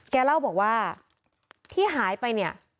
แกเล่าบอกว่าที่หายไปเนี่ย